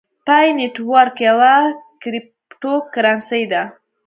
پای نیټورک یوه کریپټو کرنسۍ ده